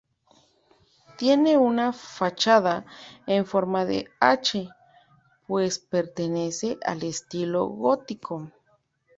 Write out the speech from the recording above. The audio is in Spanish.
Tiene una fachada en forma de hache, pues pertenece al estilo gótico.